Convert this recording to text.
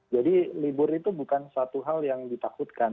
jadi libur itu bukan satu hal yang ditakutkan